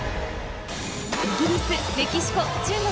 イギリスメキシコ中国